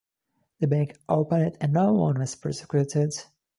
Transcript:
The Bank opened and no one was prosecuted.